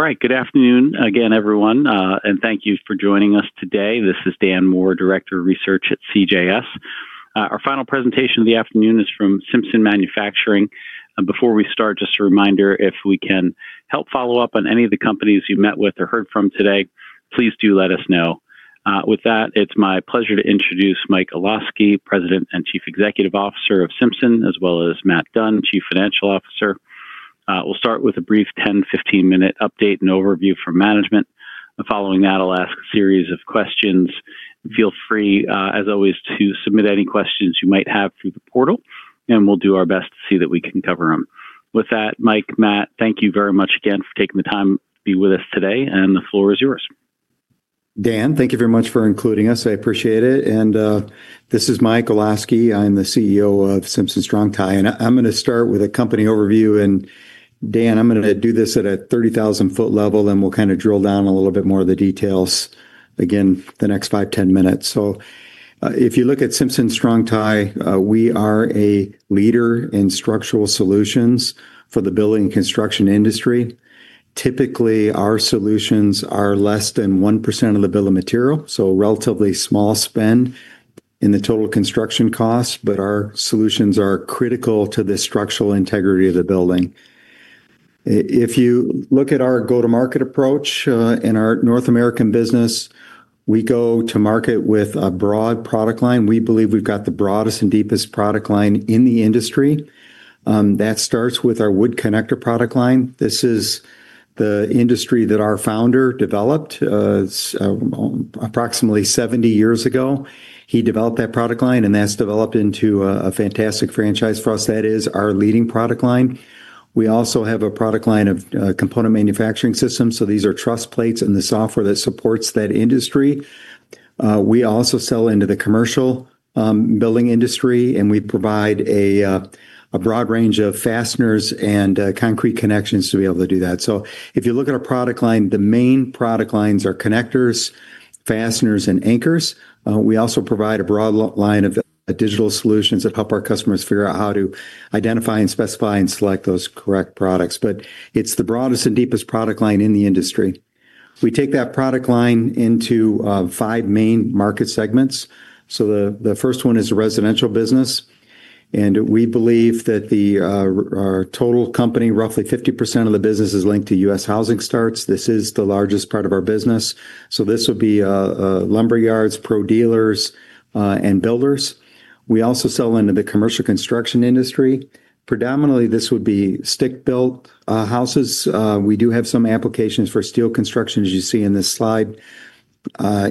All right, good afternoon again, everyone, and thank you for joining us today. This is Dan Moore, Director of Research at CJS. Our final presentation of the afternoon is from Simpson Manufacturing. Before we start, just a reminder, if we can help follow up on any of the companies you met with or heard from today, please do let us know. With that, it's my pleasure to introduce Mike Olosky, President and Chief Executive Officer of Simpson, as well as Matt Dunn, Chief Financial Officer. We'll start with a brief 10-15 minute update and overview from management. Following that, I'll ask a series of questions. Feel free, as always, to submit any questions you might have through the portal, and we'll do our best to see that we can cover them. With that, Mike, Matt, thank you very much again for taking the time to be with us today, and the floor is yours. Dan, thank you very much for including us. I appreciate it. And this is Mike Olosky. I'm the CEO of Simpson Strong-Tie. And I'm going to start with a company overview. And Dan, I'm going to do this at a 30,000-foot level, and we'll kind of drill down a little bit more of the details again the next five to 10 minutes. So if you look at Simpson Strong-Tie, we are a leader in structural solutions for the building and construction industry. Typically, our solutions are less than 1% of the bill of material, so a relatively small spend in the total construction cost, but our solutions are critical to the structural integrity of the building. If you look at our go-to-market approach in our North American business, we go to market with a broad product line. We believe we've got the broadest and deepest product line in the industry. That starts with our wood connector product line. This is the industry that our founder developed approximately 70 years ago. He developed that product line, and that's developed into a fantastic franchise for us. That is our leading product line. We also have a product line of component manufacturing systems. So these are truss plates and the software that supports that industry. We also sell into the commercial building industry, and we provide a broad range of fasteners and concrete connections to be able to do that. So if you look at our product line, the main product lines are connectors, fasteners, and anchors. We also provide a broad line of digital solutions that help our customers figure out how to identify and specify and select those correct products. But it's the broadest and deepest product line in the industry. We take that product line into five main market segments. The first one is a residential business. We believe that our total company, roughly 50% of the business, is linked to U.S. housing starts. This is the largest part of our business. This would be lumber yards, pro dealers, and builders. We also sell into the commercial construction industry. Predominantly, this would be stick-built houses. We do have some applications for steel construction, as you see in this slide.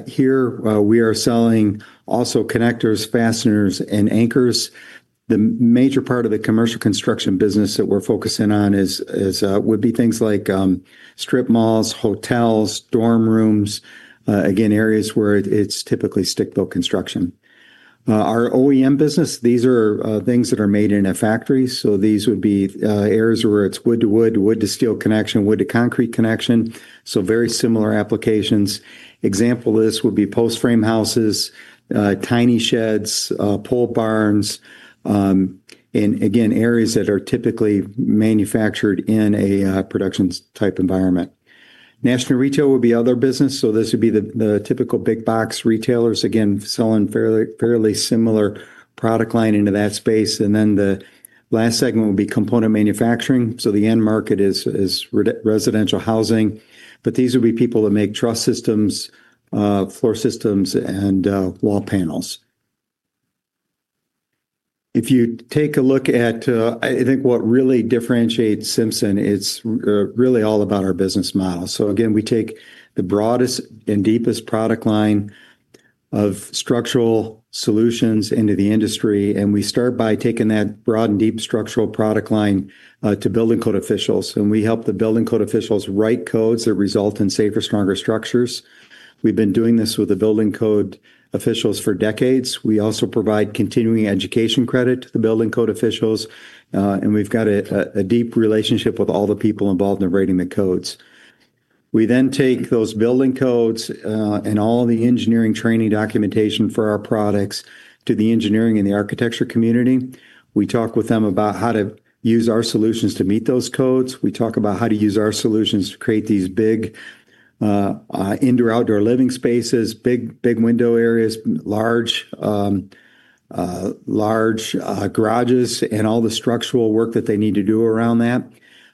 Here, we are selling also connectors, fasteners, and anchors. The major part of the commercial construction business that we're focusing on would be things like strip malls, hotels, dorm rooms, again, areas where it's typically stick-built construction. Our OEM business, these are things that are made in a factory. These would be areas where it's wood-to-wood, wood-to-steel connection, wood-to-concrete connection. Very similar applications. Example of this would be post-frame houses, tiny sheds, pole barns, and again, areas that are typically manufactured in a production-type environment. National retail would be other business. So this would be the typical big-box retailers, again, selling fairly similar product line into that space. And then the last segment would be component manufacturing. So the end market is residential housing. But these would be people that make truss systems, floor systems, and wall panels. If you take a look at, I think, what really differentiates Simpson, it's really all about our business model. So again, we take the broadest and deepest product line of structural solutions into the industry. And we start by taking that broad and deep structural product line to building code officials. And we help the building code officials write codes that result in safer, stronger structures. We've been doing this with the building code officials for decades. We also provide continuing education credit to the building code officials. And we've got a deep relationship with all the people involved in writing the codes. We then take those building codes and all the engineering training documentation for our products to the engineering and the architecture community. We talk with them about how to use our solutions to meet those codes. We talk about how to use our solutions to create these big indoor-outdoor living spaces, big window areas, large garages, and all the structural work that they need to do around that.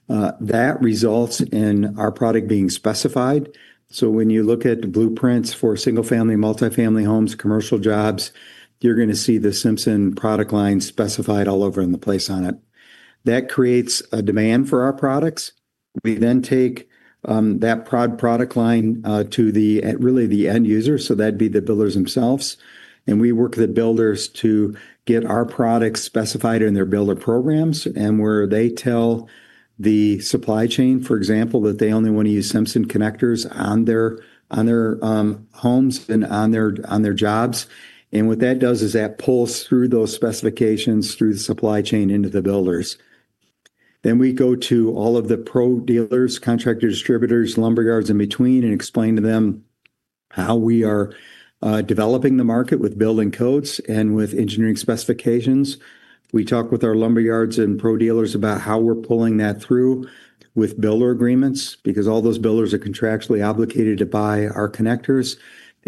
That results in our product being specified. So when you look at blueprints for single-family, multifamily homes, commercial jobs, you're going to see the Simpson product line specified all over the place on it. That creates a demand for our products. We then take that product line to really the end user, so that'd be the builders themselves, and we work with the builders to get our products specified in their builder programs, and where they tell the supply chain, for example, that they only want to use Simpson connectors on their homes and on their jobs, and what that does is that pulls through those specifications through the supply chain into the builders, then we go to all of the pro dealers, contractors, distributors, lumber yards in between, and explain to them how we are developing the market with building codes and with engineering specifications. We talk with our lumber yards and pro dealers about how we're pulling that through with builder agreements because all those builders are contractually obligated to buy our connectors.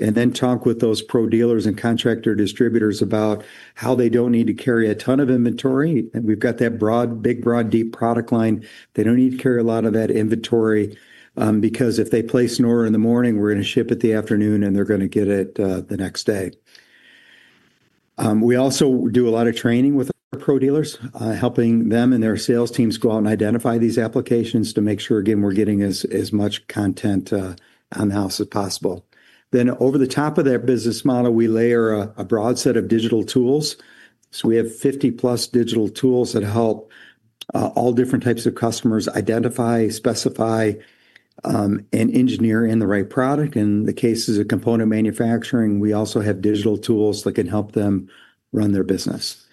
And then talk with those pro dealers and contractor distributors about how they don't need to carry a ton of inventory. And we've got that broad, big, broad, deep product line. They don't need to carry a lot of that inventory because if they place an order in the morning, we're going to ship it the afternoon, and they're going to get it the next day. We also do a lot of training with our pro dealers, helping them and their sales teams go out and identify these applications to make sure, again, we're getting as much content on the house as possible. Then over the top of that business model, we layer a broad set of digital tools. So we have 50+ digital tools that help all different types of customers identify, specify, and engineer in the right product. In the case of component manufacturing, we also have digital tools that can help them run their business.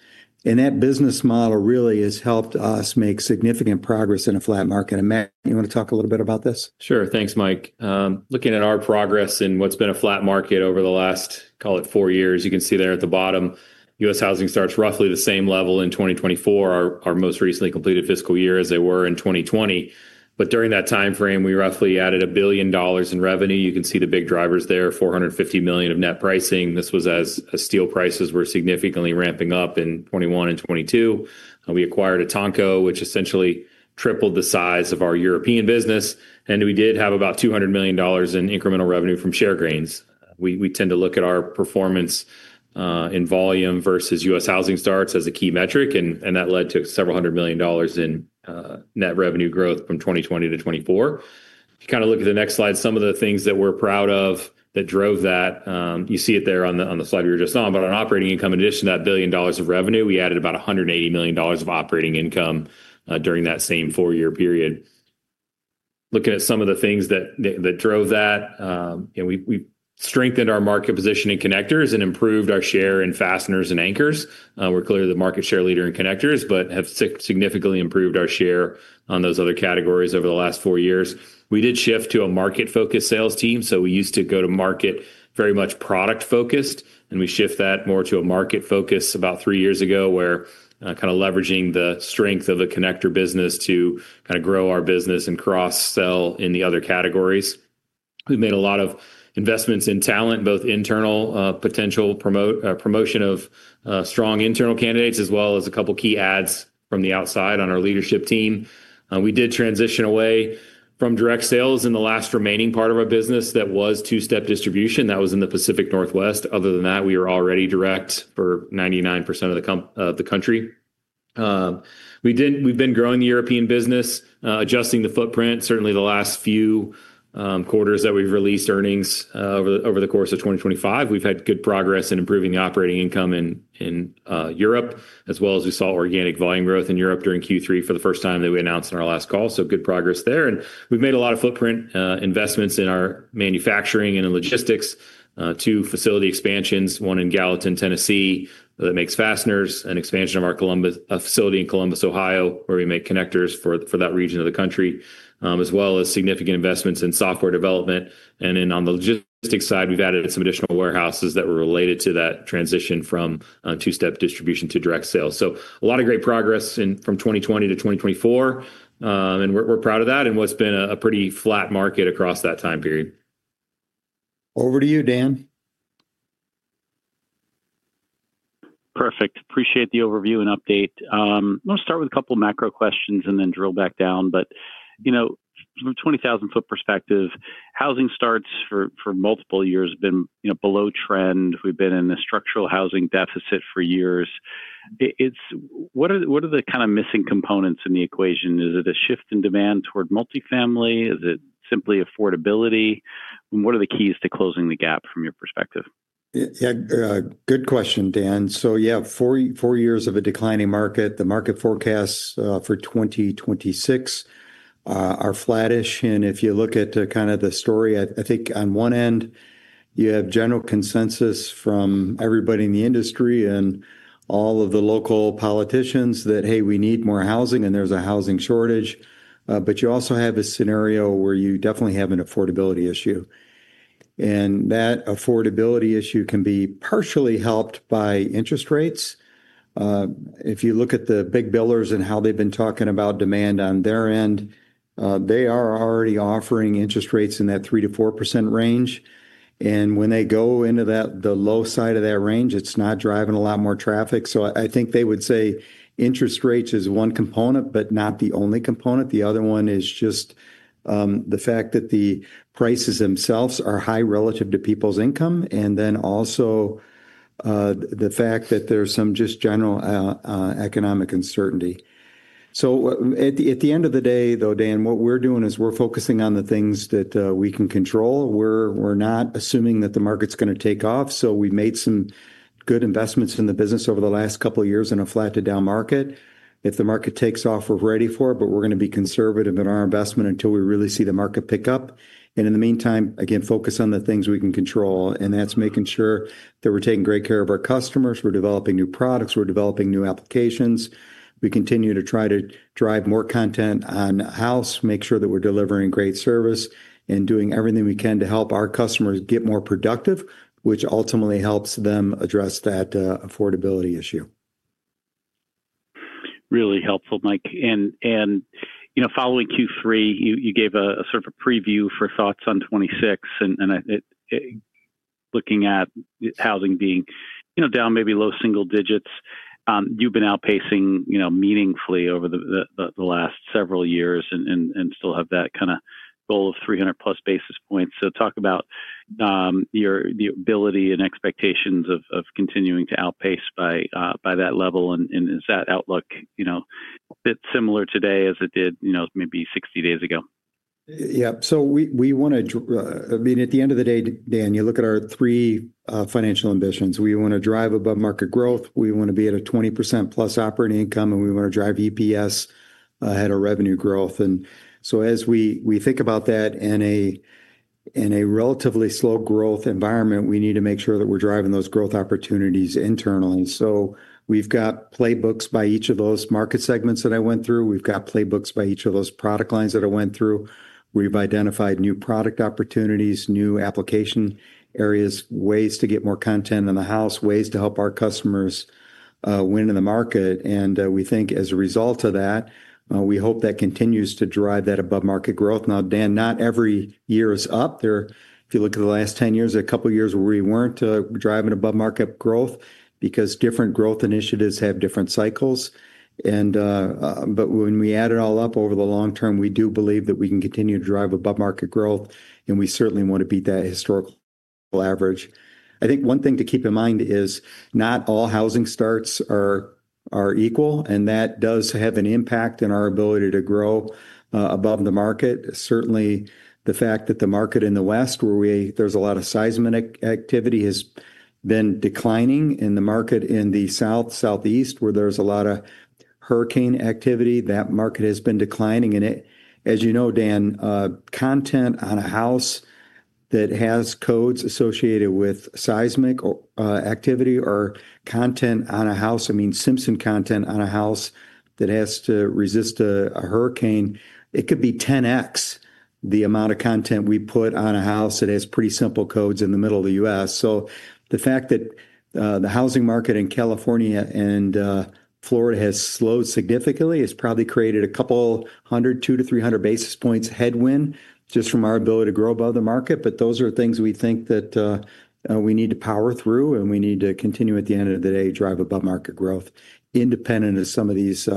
And that business model really has helped us make significant progress in a flat market. And Matt, you want to talk a little bit about this? Sure. Thanks, Mike. Looking at our progress in what's been a flat market over the last, call it, four years, you can see there at the bottom, U.S. housing starts roughly the same level in 2024, our most recently completed fiscal year as they were in 2020. But during that time frame, we roughly added $1 billion in revenue. You can see the big drivers there, $450 million of net pricing. This was as steel prices were significantly ramping up in 2021 and 2022. We acquired ETANCO, which essentially tripled the size of our European business. And we did have about $200 million in incremental revenue from share gains. We tend to look at our performance in volume vs U.S. housing starts as a key metric. And that led to several hundred million dollars in net revenue growth from 2020-2024. If you kind of look at the next slide, some of the things that we're proud of that drove that. You see it there on the slide you were just on. But on operating income, in addition to that $1 billion of revenue, we added about $180 million of operating income during that same four-year period. Looking at some of the things that drove that, we strengthened our market position in connectors and improved our share in fasteners and anchors. We're clearly the market share leader in connectors but have significantly improved our share on those other categories over the last four years. We did shift to a market-focused sales team. So we used to go to market very much product-focused. And we shift that more to a market focus about three years ago where kind of leveraging the strength of the connector business to kind of grow our business and cross-sell in the other categories. We've made a lot of investments in talent, both internal potential promotion of strong internal candidates as well as a couple of key adds from the outside on our leadership team. We did transition away from two-step distribution in the last remaining part of our business that was two-step distribution. That was in the Pacific Northwest. Other than that, we were already direct for 99% of the country. We've been growing the European business, adjusting the footprint. Certainly, the last few quarters that we've released earnings over the course of 2025, we've had good progress in improving the operating income in Europe, as well as we saw organic volume growth in Europe during Q3 for the first time that we announced in our last call. Good progress there. We've made a lot of footprint investments in our manufacturing and in logistics to facility expansions, one in Gallatin, Tennessee, that makes fasteners, an expansion of our facility in Columbus, Ohio, where we make connectors for that region of the country, as well as significant investments in software development. On the logistics side, we've added some additional warehouses that were related to that transition from two-step distribution to direct sales. A lot of great progress from 2020-2024. We're proud of that and what's been a pretty flat market across that time period. Over to you, Dan. Perfect. Appreciate the overview and update. I'm going to start with a couple of macro questions and then drill back down. But from a 20,000-foot perspective, housing starts for multiple years has been below trend. We've been in a structural housing deficit for years. What are the kind of missing components in the equation? Is it a shift in demand toward multifamily? Is it simply affordability? And what are the keys to closing the gap from your perspective? Yeah. Good question, Dan. So yeah, four years of a declining market. The market forecasts for 2026 are flattish. And if you look at kind of the story, I think on one end, you have general consensus from everybody in the industry and all of the local politicians that, hey, we need more housing and there's a housing shortage. But you also have a scenario where you definitely have an affordability issue. And that affordability issue can be partially helped by interest rates. If you look at the big builders and how they've been talking about demand on their end, they are already offering interest rates in that 3%-4% range. And when they go into the low side of that range, it's not driving a lot more traffic. So I think they would say interest rates is one component, but not the only component. The other one is just the fact that the prices themselves are high relative to people's income. And then also the fact that there's some just general economic uncertainty. So at the end of the day, though, Dan, what we're doing is we're focusing on the things that we can control. We're not assuming that the market's going to take off. So we've made some good investments in the business over the last couple of years in a flat to down market. If the market takes off, we're ready for it. But we're going to be conservative in our investment until we really see the market pick up. And in the meantime, again, focus on the things we can control. And that's making sure that we're taking great care of our customers. We're developing new products. We're developing new applications. We continue to try to drive more content on house, make sure that we're delivering great service and doing everything we can to help our customers get more productive, which ultimately helps them address that affordability issue. Really helpful, Mike. And following Q3, you gave a sort of a preview for thoughts on 2026. And looking at housing being down maybe low single digits, you've been outpacing meaningfully over the last several years and still have that kind of goal of 300+ basis points. So talk about your ability and expectations of continuing to outpace by that level. And is that outlook a bit similar today as it did maybe 60 days ago? Yeah. So we want to, I mean, at the end of the day, Dan, you look at our three financial ambitions. We want to drive above market growth, we want to be at a 20%+ operating income, and we want to drive EPS ahead of revenue growth, and so as we think about that in a relatively slow growth environment, we need to make sure that we're driving those growth opportunities internally. So we've got playbooks by each of those market segments that I went through. We've got playbooks by each of those product lines that I went through. We've identified new product opportunities, new application areas, ways to get more content in the house, ways to help our customers win in the market. And we think as a result of that, we hope that continues to drive that above market growth. Now, Dan, not every year is up there. If you look at the last 10 years, there are a couple of years where we weren't driving above market growth because different growth initiatives have different cycles. But when we add it all up over the long term, we do believe that we can continue to drive above market growth. And we certainly want to beat that historical average. I think one thing to keep in mind is not all housing starts are equal. And that does have an impact in our ability to grow above the market. Certainly, the fact that the market in the West, where there's a lot of seismic activity, has been declining and the market in the South, Southeast, where there's a lot of hurricane activity, that market has been declining. As you know, Dan, content on a house that has codes associated with seismic activity or content on a house, I mean, Simpson content on a house that has to resist a hurricane, it could be 10x the amount of content we put on a house that has pretty simple codes in the middle of the U.S. So the fact that the housing market in California and Florida has slowed significantly has probably created a couple hundred, 200-300 basis points headwind just from our ability to grow above the market. But those are things we think that we need to power through. We need to continue, at the end of the day, drive above market growth independent of some of these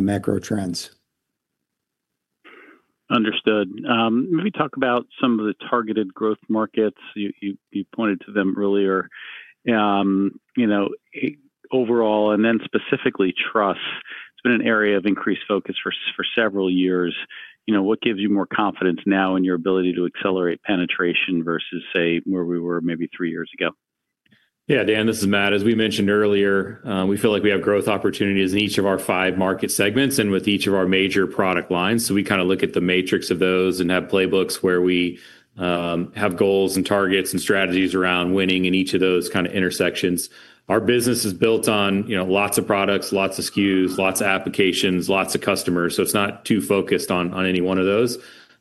macro trends. Understood. Maybe talk about some of the targeted growth markets. You pointed to them earlier. Overall, and then specifically truss, it's been an area of increased focus for several years. What gives you more confidence now in your ability to accelerate penetration vs, say, where we were maybe three years ago? Yeah, Dan, this is Matt. As we mentioned earlier, we feel like we have growth opportunities in each of our five market segments and with each of our major product lines. So we kind of look at the matrix of those and have playbooks where we have goals and targets and strategies around winning in each of those kind of intersections. Our business is built on lots of products, lots of SKUs, lots of applications, lots of customers. So it's not too focused on any one of those.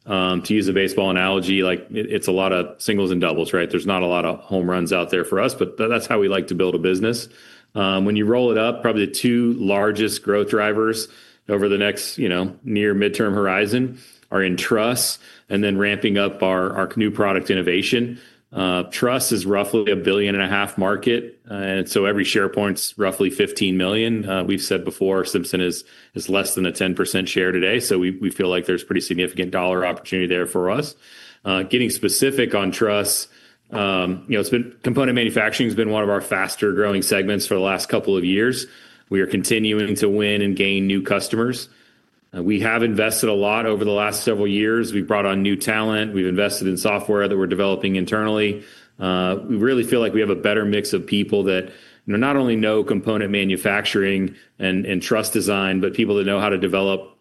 To use a baseball analogy, it's a lot of singles and doubles, right? There's not a lot of home runs out there for us. But that's how we like to build a business. When you roll it up, probably the two largest growth drivers over the next near midterm horizon are in truss and then ramping up our new product innovation. Truss is roughly a $1.5 billion market. And so every share point roughly $15 million. We've said before, Simpson is less than a 10% share today. So we feel like there's pretty significant dollar opportunity there for us. Getting specific on truss, component manufacturing has been one of our faster growing segments for the last couple of years. We are continuing to win and gain new customers. We have invested a lot over the last several years. We've brought on new talent. We've invested in software that we're developing internally. We really feel like we have a better mix of people that not only know component manufacturing and truss design, but people that know how to develop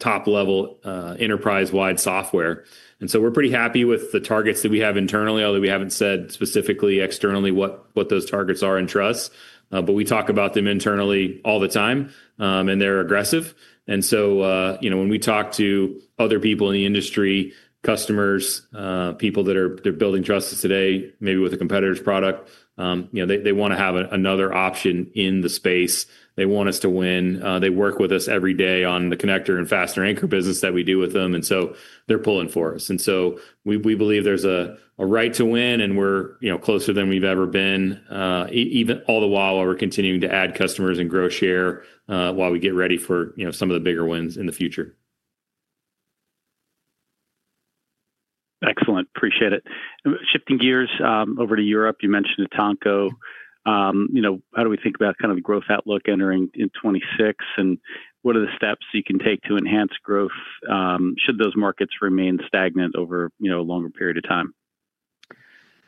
top-level enterprise-wide software. And so we're pretty happy with the targets that we have internally, although we haven't said specifically externally what those targets are in truss. But we talk about them internally all the time. And they're aggressive. And so when we talk to other people in the industry, customers, people that are building trusses today, maybe with a competitor's product, they want to have another option in the space. They want us to win. They work with us every day on the connector and fastener anchor business that we do with them. And so they're pulling for us. And so we believe there's a right to win. And we're closer than we've ever been, even all the while while we're continuing to add customers and grow share while we get ready for some of the bigger wins in the future. Excellent. Appreciate it. Shifting gears over to Europe, you mentioned ETANCO. How do we think about kind of the growth outlook entering in 2026? And what are the steps you can take to enhance growth should those markets remain stagnant over a longer period of time?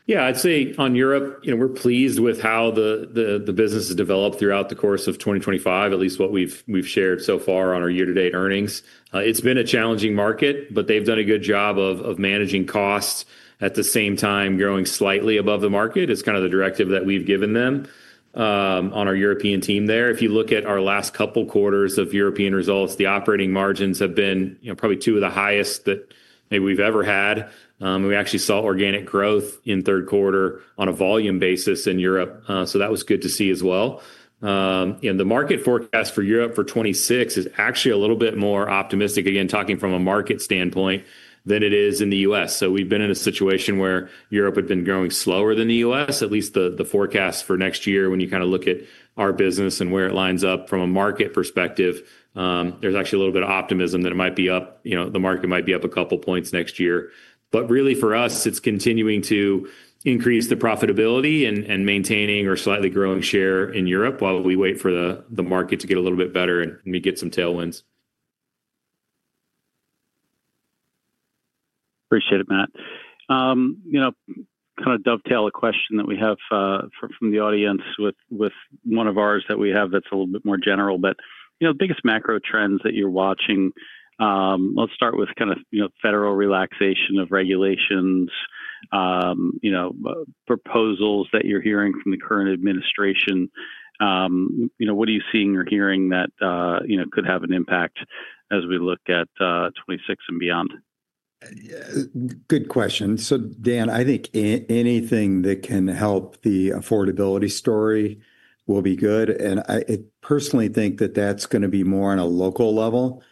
Yeah, I'd say on Europe, we're pleased with how the business has developed throughout the course of 2025, at least what we've shared so far on our year-to-date earnings. It's been a challenging market, but they've done a good job of managing costs at the same time growing slightly above the market. It's kind of the directive that we've given them on our European team there. If you look at our last couple quarters of European results, the operating margins have been probably two of the highest that maybe we've ever had. We actually saw organic growth in third quarter on a volume basis in Europe. So that was good to see as well, and the market forecast for Europe for 2026 is actually a little bit more optimistic, again, talking from a market standpoint than it is in the U.S.. So we've been in a situation where Europe had been growing slower than the U.S. At least the forecast for next year, when you kind of look at our business and where it lines up from a market perspective, there's actually a little bit of optimism that it might be up. The market might be up a couple points next year. But really, for us, it's continuing to increase the profitability and maintaining or slightly growing share in Europe while we wait for the market to get a little bit better and maybe get some tailwinds. Appreciate it, Matt. Kind of dovetail a question that we have from the audience with one of ours that we have that's a little bit more general. But the biggest macro trends that you're watching, let's start with kind of federal relaxation of regulations, proposals that you're hearing from the current administration. What are you seeing or hearing that could have an impact as we look at 2026 and beyond? Good question. So Dan, I think anything that can help the affordability story will be good. And I personally think that that's going to be more on a local level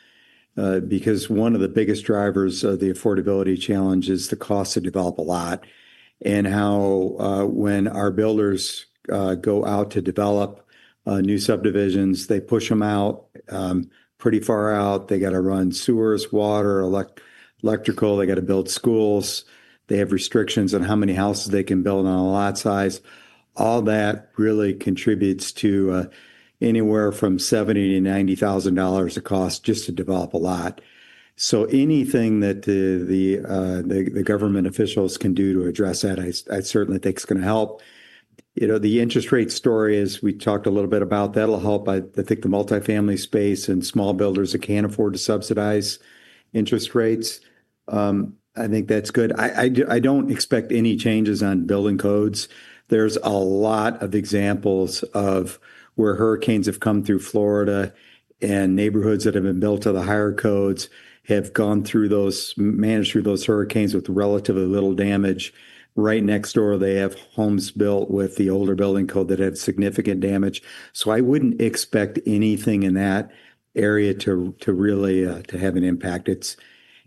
because one of the biggest drivers of the affordability challenge is the cost to develop a lot and how when our builders go out to develop new subdivisions, they push them out pretty far out. They got to run sewers, water, electrical. They got to build schools. They have restrictions on how many houses they can build on a lot size. All that really contributes to anywhere from $70,000-$90,000 of cost just to develop a lot. So anything that the government officials can do to address that, I certainly think it's going to help. The interest rate story, as we talked a little bit about, that'll help. I think the multifamily space and small builders that can't afford to subsidize interest rates, I think that's good. I don't expect any changes on building codes. There's a lot of examples of where hurricanes have come through Florida and neighborhoods that have been built to the higher codes have gone through those, managed through those hurricanes with relatively little damage. Right next door, they have homes built with the older building code that had significant damage. So I wouldn't expect anything in that area to really have an impact.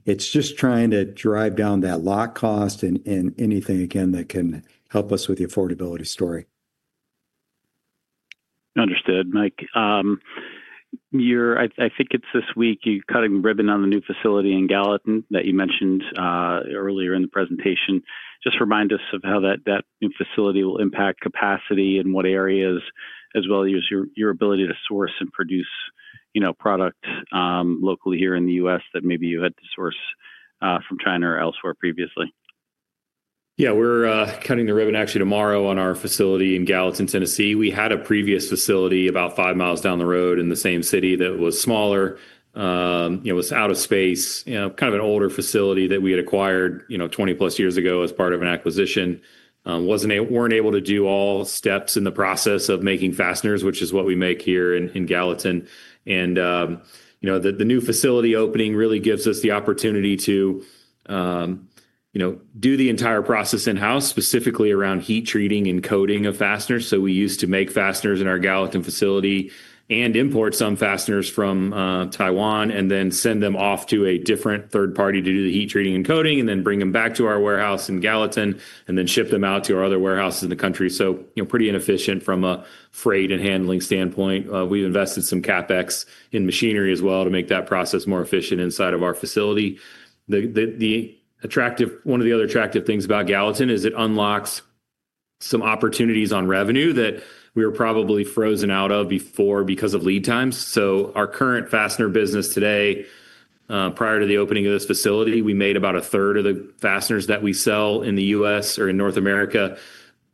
It's just trying to drive down that lock cost and anything, again, that can help us with the affordability story. Understood, Mike. I think it's this week you're cutting ribbon on the new facility in Gallatin that you mentioned earlier in the presentation. Just remind us of how that new facility will impact capacity and what areas as well as your ability to source and produce product locally here in the U.S. that maybe you had to source from China or elsewhere previously? Yeah, we're cutting the ribbon actually tomorrow on our facility in Gallatin, Tennessee. We had a previous facility about five miles down the road in the same city that was smaller. It was out of space, kind of an older facility that we had acquired 20+ years ago as part of an acquisition. Weren't able to do all steps in the process of making fasteners, which is what we make here in Gallatin, and the new facility opening really gives us the opportunity to do the entire process in-house, specifically around heat treating and coating of fasteners. We used to make fasteners in our Gallatin facility and import some fasteners from Taiwan and then send them off to a different third party to do the heat treating and coating and then bring them back to our warehouse in Gallatin and then ship them out to our other warehouses in the country. So pretty inefficient from a freight and handling standpoint. We've invested some CapEx in machinery as well to make that process more efficient inside of our facility. One of the other attractive things about Gallatin is it unlocks some opportunities on revenue that we were probably frozen out of before because of lead times. So our current fastener business today, prior to the opening of this facility, we made about a third of the fasteners that we sell in the U.S. or in North America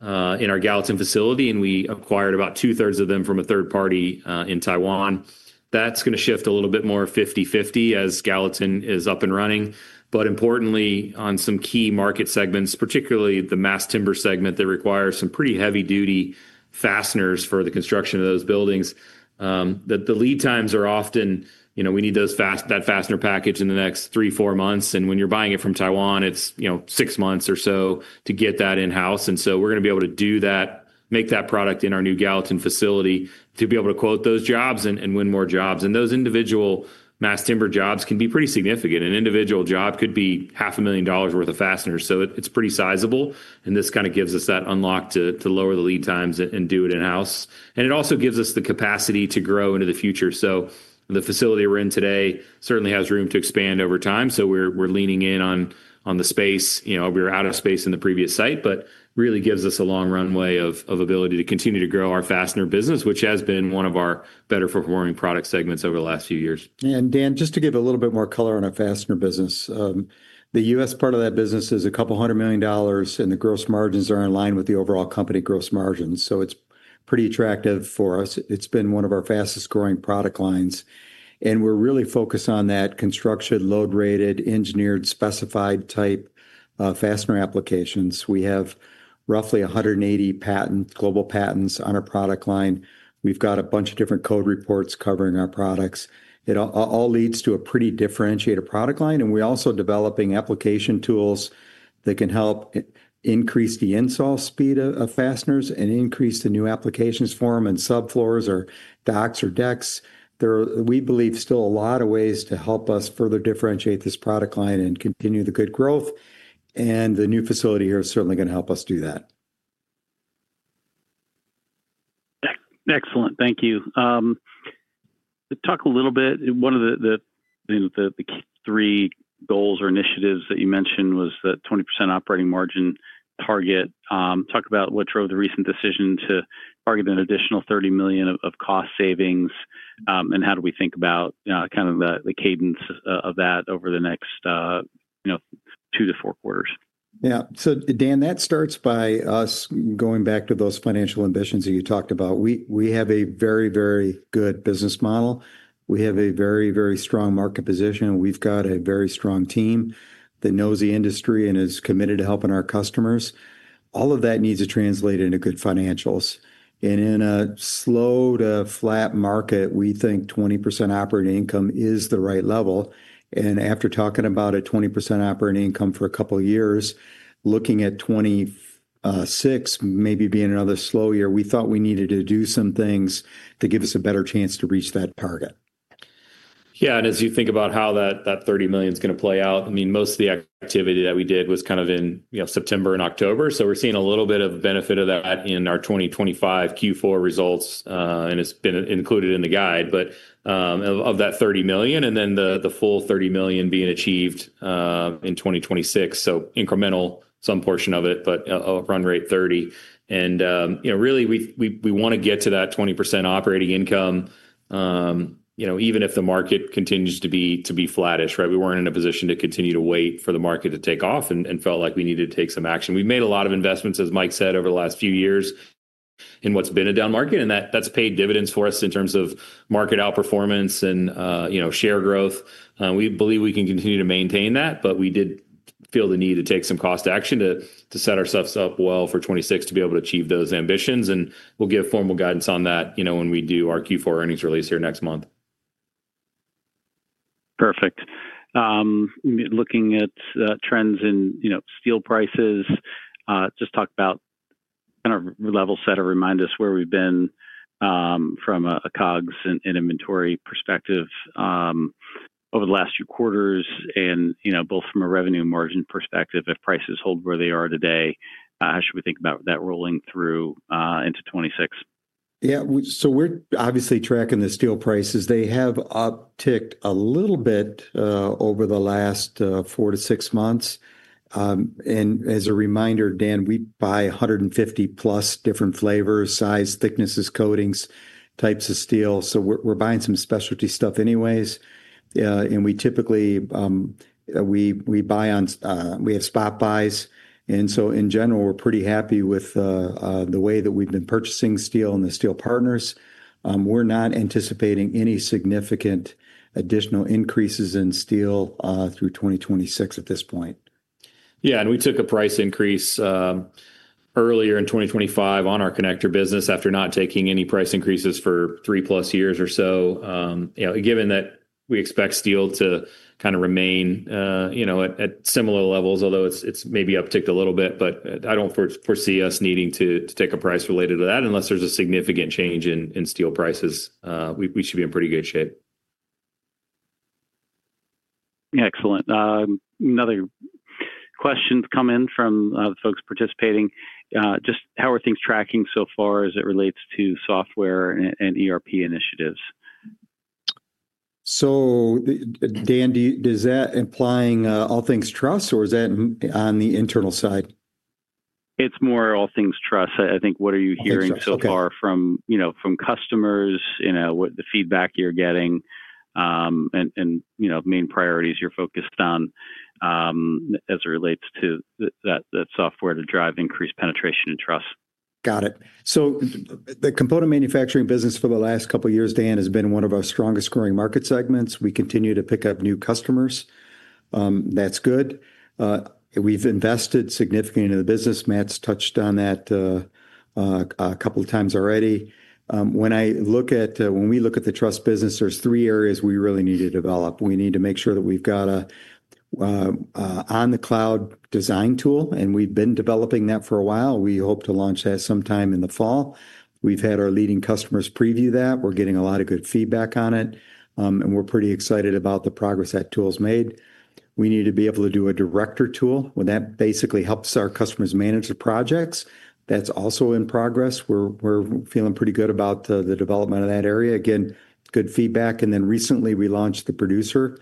in our Gallatin facility. And we acquired about two-thirds of them from a third party in Taiwan. That's going to shift a little bit more 50/50 as Gallatin is up and running. But importantly, on some key market segments, particularly the mass timber segment that requires some pretty heavy-duty fasteners for the construction of those buildings, the lead times are often we need that fastener package in the next three, four months. And when you're buying it from Taiwan, it's six months or so to get that in-house. And so we're going to be able to do that, make that product in our new Gallatin facility to be able to quote those jobs and win more jobs. And those individual mass timber jobs can be pretty significant. An individual job could be $500,000 worth of fasteners. So it's pretty sizable. This kind of gives us that unlock to lower the lead times and do it in-house. It also gives us the capacity to grow into the future. The facility we're in today certainly has room to expand over time. We're leaning in on the space. We were out of space in the previous site, but really gives us a long runway of ability to continue to grow our fastener business, which has been one of our better-performing product segments over the last few years. Dan, just to give a little bit more color on our fastener business, the U.S. part of that business is $200 million. The gross margins are in line with the overall company gross margins. So it's pretty attractive for us. It's been one of our fastest-growing product lines. We're really focused on that construction, load-rated, engineered, specified type fastener applications. We have roughly 180 global patents on our product line. We've got a bunch of different code reports covering our products. It all leads to a pretty differentiated product line. We're also developing application tools that can help increase the install speed of fasteners and increase the new applications for them and subfloors or docks or decks. We believe still a lot of ways to help us further differentiate this product line and continue the good growth. The new facility here is certainly going to help us do that. Excellent. Thank you. Talk a little bit. One of the three goals or initiatives that you mentioned was the 20% operating margin target. Talk about what drove the recent decision to target an additional $30 million of cost savings. And how do we think about kind of the cadence of that over the next two to four quarters? Yeah. So Dan, that starts by us going back to those financial ambitions that you talked about. We have a very, very good business model. We have a very, very strong market position. We've got a very strong team that knows the industry and is committed to helping our customers. All of that needs to translate into good financials. And in a slow to flat market, we think 20% operating income is the right level. And after talking about a 20% operating income for a couple of years, looking at 2026 maybe being another slow year, we thought we needed to do some things to give us a better chance to reach that target. Yeah. And as you think about how that $30 million is going to play out, I mean, most of the activity that we did was kind of in September and October. So we're seeing a little bit of benefit of that in our 2025 Q4 results. And it's been included in the guide, but of that $30 million and then the full $30 million being achieved in 2026. So incremental some portion of it, but a run rate 30. And really, we want to get to that 20% operating income, even if the market continues to be flattish. We weren't in a position to continue to wait for the market to take off and felt like we needed to take some action. We've made a lot of investments, as Mike said, over the last few years in what's been a down market. That’s paid dividends for us in terms of market outperformance and share growth. We believe we can continue to maintain that. We did feel the need to take some cost action to set ourselves up well for 2026 to be able to achieve those ambitions. We’ll give formal guidance on that when we do our Q4 earnings release here next month. Perfect. Looking at trends in steel prices, just talk about kind of level set or remind us where we've been from a COGS and inventory perspective over the last few quarters. And both from a revenue margin perspective, if prices hold where they are today, how should we think about that rolling through into 2026? Yeah. So we're obviously tracking the steel prices. They have upticked a little bit over the last four to six months. And as a reminder, Dan, we buy 150+ different flavors, size, thicknesses, coatings, types of steel. So we're buying some specialty stuff anyways. And we typically buy on. We have spot buys. And so in general, we're pretty happy with the way that we've been purchasing steel and the steel partners. We're not anticipating any significant additional increases in steel through 2026 at this point. Yeah, and we took a price increase earlier in 2025 on our connector business after not taking any price increases for three-plus years or so, given that we expect steel to kind of remain at similar levels, although it's maybe upticked a little bit, but I don't foresee us needing to take a price related to that unless there's a significant change in steel prices. We should be in pretty good shape. Excellent. Another question's come in from the folks participating. Just how are things tracking so far as it relates to software and ERP initiatives? So Dan, does that imply all things truss, or is that on the internal side? It's more all things trust. I think what are you hearing so far from customers, the feedback you're getting, and main priorities you're focused on as it relates to that software to drive increased penetration and trust? Got it. So the component manufacturing business for the last couple of years, Dan, has been one of our strongest-growing market segments. We continue to pick up new customers. That's good. We've invested significantly in the business. Matt's touched on that a couple of times already. When I look at when we look at the truss business, there's three areas we really need to develop. We need to make sure that we've got an in-the-cloud design tool. We've been developing that for a while. We hope to launch that sometime in the fall. We've had our leading customers preview that. We're getting a lot of good feedback on it. We're pretty excited about the progress that tool's made. We need to be able to do a Director tool where that basically helps our customers manage the projects. That's also in progress. We're feeling pretty good about the development of that area. Again, good feedback, and then recently, we launched the Producer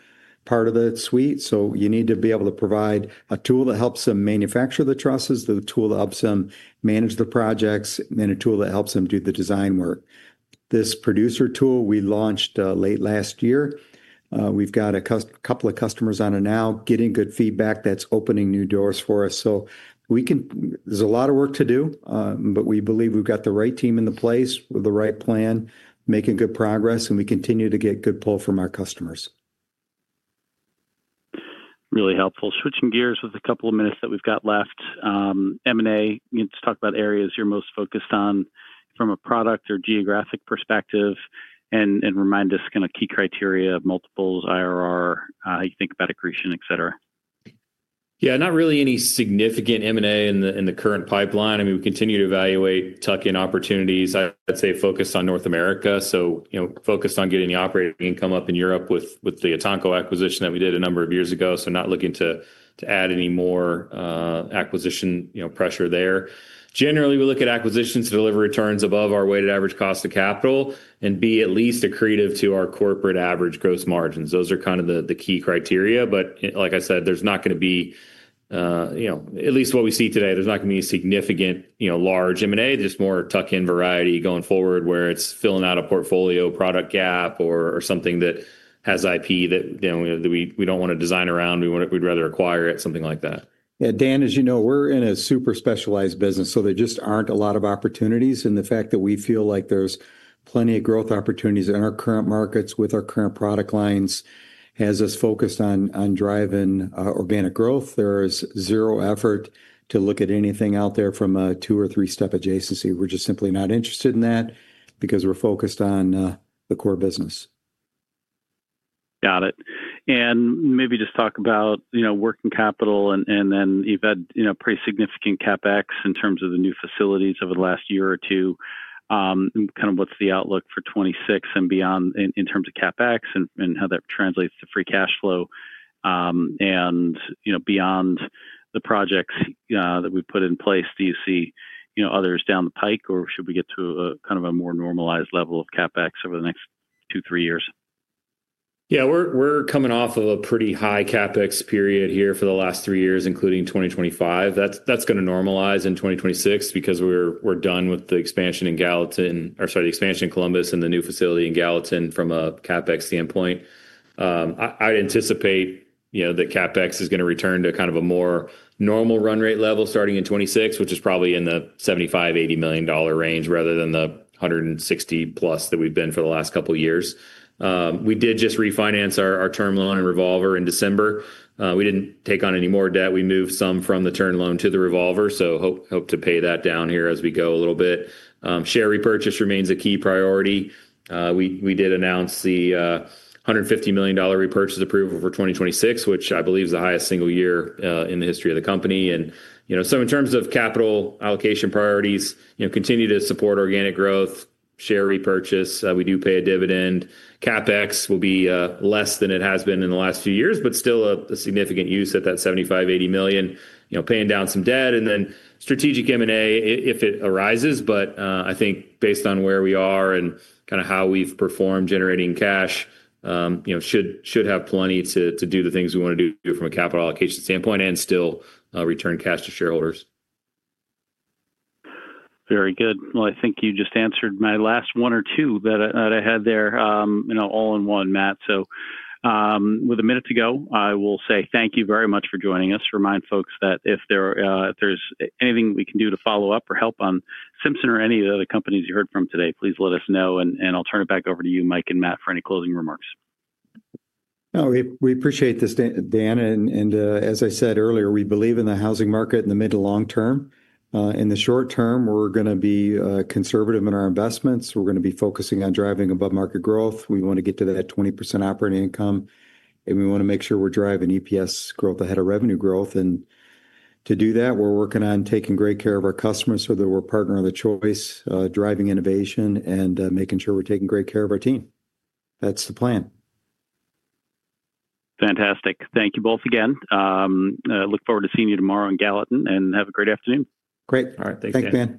part of the suite, so you need to be able to provide a tool that helps them manufacture the trusses, the tool that helps them manage the projects, and a tool that helps them do the design work. This Producer tool, we launched late last year. We've got a couple of customers on it now, getting good feedback. That's opening new doors for us, so there's a lot of work to do, but we believe we've got the right team in the place with the right plan, making good progress, and we continue to get good pull from our customers. Really helpful. Switching gears with a couple of minutes that we've got left, M&A, let's talk about areas you're most focused on from a product or geographic perspective and remind us kind of key criteria of multiples, IRR, how you think about accretion, etc. Yeah, not really any significant M&A in the current pipeline. I mean, we continue to evaluate tuck-in opportunities. I'd say focused on North America. So focused on getting the operating income up in Europe with the ETANCO acquisition that we did a number of years ago. So not looking to add any more acquisition pressure there. Generally, we look at acquisitions to deliver returns above our weighted average cost of capital and be at least accretive to our corporate average gross margins. Those are kind of the key criteria. But like I said, there's not going to be at least what we see today, there's not going to be a significant large M&A. There's more tuck-in variety going forward where it's filling out a portfolio product gap or something that has IP that we don't want to design around. We'd rather acquire it, something like that. Yeah. Dan, as you know, we're in a super specialized business. So there just aren't a lot of opportunities. And the fact that we feel like there's plenty of growth opportunities in our current markets with our current product lines has us focused on driving organic growth. There is zero effort to look at anything out there from a two- or three-step adjacency. We're just simply not interested in that because we're focused on the core business. Got it. And maybe just talk about working capital. And then you've had pretty significant CapEx in terms of the new facilities over the last year or two. Kind of what's the outlook for 2026 and beyond in terms of CapEx and how that translates to free cash flow? And beyond the projects that we've put in place, do you see others down the pike? Or should we get to kind of a more normalized level of CapEx over the next two, three years? Yeah. We're coming off of a pretty high CapEx period here for the last three years, including 2025. That's going to normalize in 2026 because we're done with the expansion in Gallatin or sorry, the expansion in Columbus and the new facility in Gallatin from a CapEx standpoint. I'd anticipate that CapEx is going to return to kind of a more normal run rate level starting in 2026, which is probably in the $75-$80 million range rather than the $160+ that we've been for the last couple of years. We did just refinance our term loan and revolver in December. We didn't take on any more debt. We moved some from the term loan to the revolver. So hope to pay that down here as we go a little bit. Share repurchase remains a key priority. We did announce the $150 million repurchase approval for 2026, which I believe is the highest single year in the history of the company. And so in terms of capital allocation priorities, continue to support organic growth, share repurchase. We do pay a dividend. CapEx will be less than it has been in the last few years, but still a significant use at that $75-$80 million, paying down some debt. And then strategic M&A if it arises. But I think based on where we are and kind of how we've performed generating cash, should have plenty to do the things we want to do from a capital allocation standpoint and still return cash to shareholders. Very good. Well, I think you just answered my last one or two that I had there, all in one, Matt. So with a minute to go, I will say thank you very much for joining us. Remind folks that if there's anything we can do to follow up or help on Simpson or any of the other companies you heard from today, please let us know. And I'll turn it back over to you, Mike and Matt, for any closing remarks. We appreciate this, Dan. And as I said earlier, we believe in the housing market in the mid to long term. In the short term, we're going to be conservative in our investments. We're going to be focusing on driving above market growth. We want to get to that 20% operating income. And we want to make sure we're driving EPS growth ahead of revenue growth. And to do that, we're working on taking great care of our customers so that we're the partner of choice, driving innovation, and making sure we're taking great care of our team. That's the plan. Fantastic. Thank you both again. Look forward to seeing you tomorrow in Gallatin, and have a great afternoon. Great. All right. Thanks, Dan. Thanks.